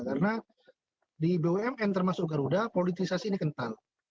karena di bumn termasuk garuda politisasi ini kental